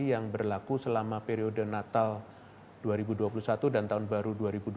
yang berlaku selama periode natal dua ribu dua puluh satu dan tahun baru dua ribu dua puluh